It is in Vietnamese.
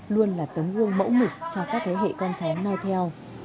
luôn là tấm gương mẫu mịch cho các thế hệ con trai nói theo